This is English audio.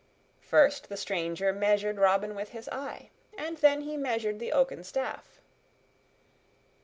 First the stranger measured Robin with his eye, and then he measured the oaken staff.